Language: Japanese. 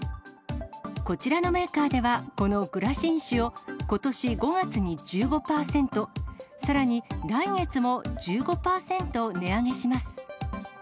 こちらのメーカーでは、このグラシン紙をことし５月に１５％、さらに来月も１５％値上げします。